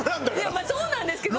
まあそうなんですけど。